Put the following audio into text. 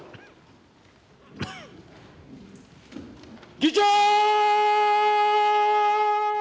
議長。